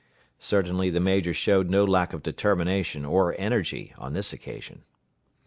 Certainly the major showed no lack of determination or energy on this occasion.